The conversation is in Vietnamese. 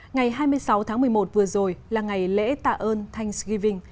ngày hai mươi sáu tháng một mươi một vừa rồi là ngày lễ tạ ơn tansgiving